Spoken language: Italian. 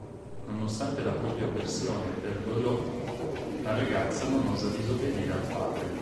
Nonostante la propria avversione per Boileau, la ragazza non osa disobbedire al padre.